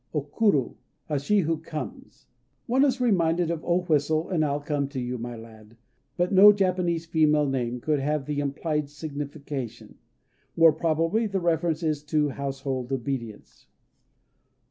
O Kuru "She who Comes" (?). One is reminded of, "O whistle, and I'll come to you, my lad" but no Japanese female name could have the implied signification. More probably the reference is to household obedience.